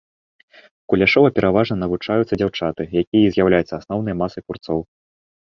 Куляшова пераважна навучаюцца дзяўчаты, якія і з'яўляюцца асноўнай масай курцоў.